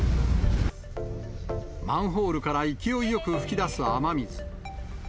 マンホールから勢いよく噴き出す雨水。